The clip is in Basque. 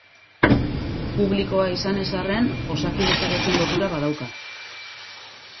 Publikoa izan ez arren, Osakidetzarekin lotura badauka.